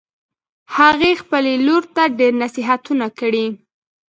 هغې خپلې لور ته ډېر نصیحتونه کړي